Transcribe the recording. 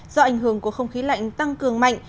do ảnh hưởng của không khí lạnh tăng cường mạnh